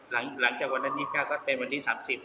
แล้วก็หลังจากวันที่๒๙ก็เป็นวันที่๓๐